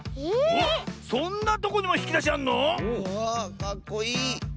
かっこいい！